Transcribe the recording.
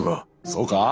そうか？